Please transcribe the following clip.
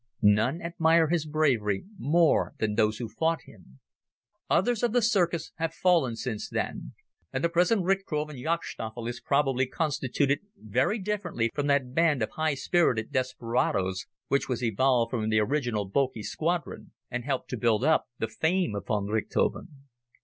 None admire his bravery more than those who fought him. Others of the "circus" have fallen since then, and the present "Richthofen Jagdstaffel" is probably constituted very differently from that band of high spirited desperadoes which was evolved from the original Boelcke squadron, and helped to build up the fame of von Richthofen.